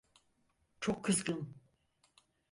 Çok kızgın.